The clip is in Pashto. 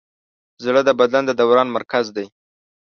زړه د بدن د دوران مرکز دی.